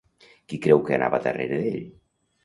Qui creu que anava darrere d'ell?